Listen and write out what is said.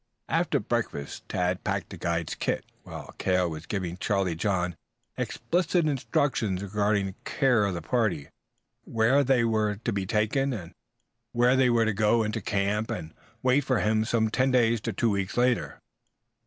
After breakfast Tad packed the guide's kit, while Cale was giving Charlie John explicit instructions regarding the care of the party, where they were to be taken and where they were to go into camp and wait for him some ten days to two weeks later.